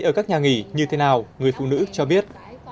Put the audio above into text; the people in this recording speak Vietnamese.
ở các nhà nghỉ như thế nào người phụ nữ cho biết